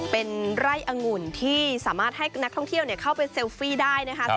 เป็นไร่อังุ่นที่สามารถให้นักท่องเที่ยวเข้าไปเซลฟี่ได้นะคะ